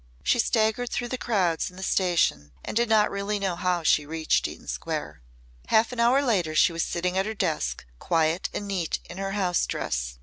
She staggered through the crowds in the station and did not really know how she reached Eaton Square. Half an hour later she was sitting at her desk quiet and neat in her house dress.